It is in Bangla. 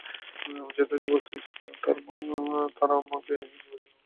আমি যথার্থই অবাক হয়েছি কারণ তার আমাকে নেবার জন্য আসার কথা না।